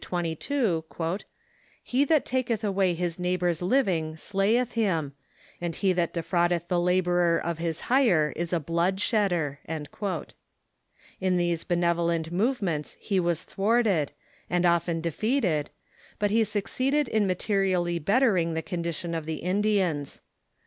18 22 : "He that taketh aAvay his neighbor's living slayeth him ; and he that defraudeth the laborer of his hire is a blood shedder." In these benevolent movements he was tliAvarted, and often defeated, but he succeeded in materially bettering the condi tion of the Indians.